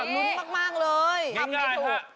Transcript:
ลุ้นมากเลย